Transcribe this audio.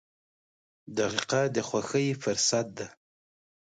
• دقیقه د خوښۍ فرصت ده.